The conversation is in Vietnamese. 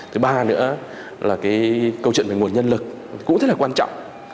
thứ ba nữa là cái câu chuyện về nguồn nhân lực cũng rất là quan trọng